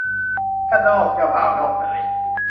ข้านอกเจ้าบ่าวนอกนาย